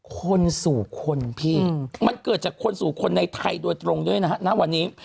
คนสู่คนพี่มันเกิดจากคนสู่คนในไทยโดยตรงด้วยนะฮะณวันนี้